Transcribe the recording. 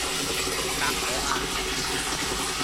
答我呀